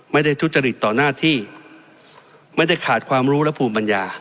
ทุจริตต่อหน้าที่ไม่ได้ขาดความรู้และภูมิปัญญา